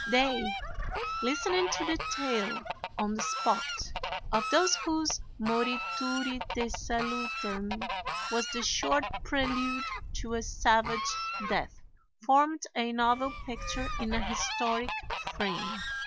They, listening to the tale, on the spot, of those whose "morituri te salutant" was the short prelude to a savage death, formed a novel picture in a historic frame.